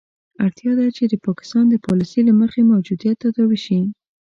اړتیا ده چې د پاکستان د پالیسي له مخې موجودیت تداوي شي.